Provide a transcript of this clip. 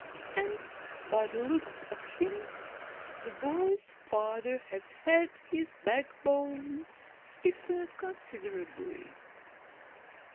And by the looks of him, the boy's father has had his backbone stiffened considerably."